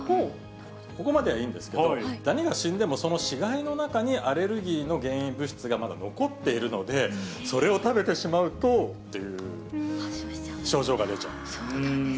ここまではいいんですけど、ダニが死んでもその死骸の中に、アレルギーの原因物質がまだ残っているので、それを食べてしまうとっていう。症状が出ちゃうんです。